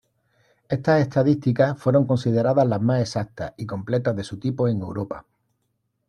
Estas estadísticas fueron consideradas las más exactas y completas de su tipo en Europa.